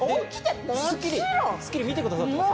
『スッキリ』見てくださってます？